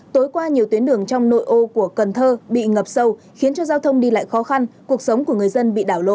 tối qua nhiều tuyến đường trong nội ô của cần thơ bị ngập sâu khiến cho giao thông đi lại khó khăn cuộc sống của người dân bị đảo lộn